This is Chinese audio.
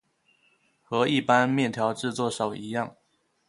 和一般面条制作手一样。